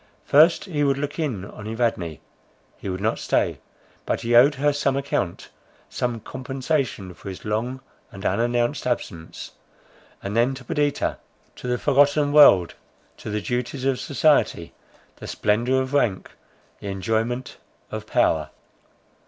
First, he would look in on Evadne; he would not stay; but he owed her some account, some compensation for his long and unannounced absence; and then to Perdita, to the forgotten world, to the duties of society, the splendour of rank, the enjoyment of power.